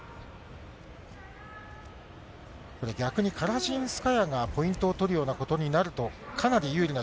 これ、逆にカラジンスカヤがポイントを取るようなことになると、かなりそうですね。